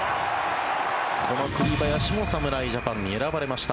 この栗林も侍ジャパンに選ばれました。